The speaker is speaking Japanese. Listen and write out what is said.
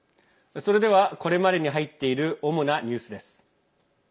それではこれまでに入っている主なニュースです。